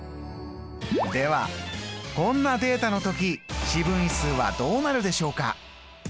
ではこんなデータの時四分位数はどうなるでしょうか？